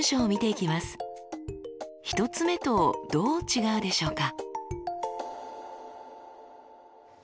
１つ目とどう違うでしょうか？